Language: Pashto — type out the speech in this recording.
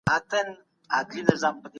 ځکه چي د اوستایي او پښتو ترمنځ د تطبیقي